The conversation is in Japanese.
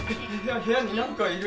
部屋になんかいる！